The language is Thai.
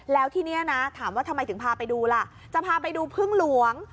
แล้วที่นี่นะถามว่าทำไมถึงพาไปดูล่ะจะพาไปดูพึ่งหลวง